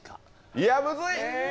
いやむずい！